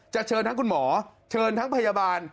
จะเชิญคุณหมอเชิญทางพยาบาล